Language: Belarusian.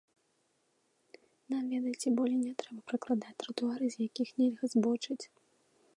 Нам, ведаеце, болей не трэба пракладаць тратуары, з якіх нельга збочыць.